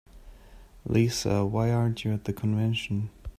Lisa, why aren't you at the convention?